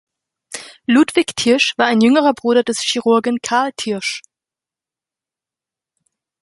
Ludwig Thiersch war ein jüngerer Bruder des Chirurgen Carl Thiersch.